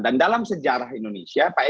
dan dalam sejarah indonesia pak esy